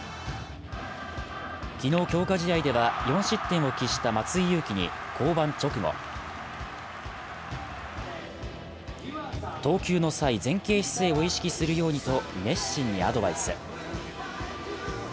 昨日、強化試合では４失点を喫した松井裕樹に降板直後、投球の際前傾姿勢を意識するようにと熱心にアドバイス。